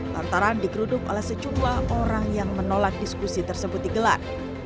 lantaran digeruduk oleh sejumlah orang yang menolak diskusi tersebut digelar